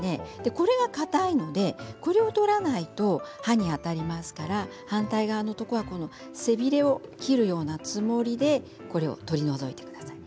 これがかたいのでこれを取らないと歯に当たりますから反対側のところは背びれを切るようなつもりで取り除いてください。